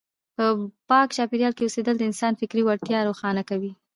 په پاک چاپیریال کې اوسېدل د انسان فکري وړتیاوې روښانه کوي.